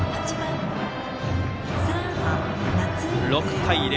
６対０。